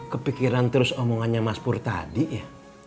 kepikiran terus omongannya mas pur tadi ya